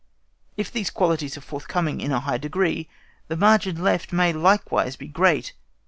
If these qualities are forthcoming in a high degree, the margin left may likewise be great.